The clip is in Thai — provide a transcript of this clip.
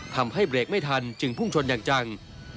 ทำให้เบรกไม่ทันจึงพุ่งชนอย่างจัง